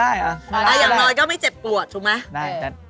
เอออย่างน้อยก็ไม่เจ็บกวดถูกไหมได้ได้